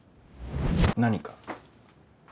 何か？